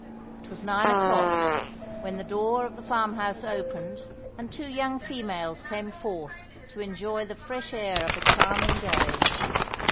It was nine o'clock, when the door of the farm house opened, and two young females came forth to enjoy the fresh air of a charming day.